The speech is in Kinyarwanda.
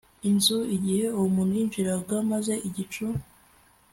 inzu igihe uwo muntu yinjiraga maze igicu